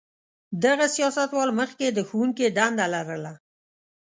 دغه سیاستوال مخکې د ښوونکي دنده لرله.